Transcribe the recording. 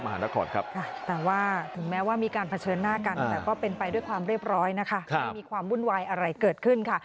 หลุงต้งสามเจ็ดหลุงต้งสามเจ็ด